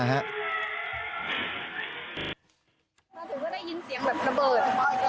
มาถึงก็ได้ยินเสียงแบบระเบิด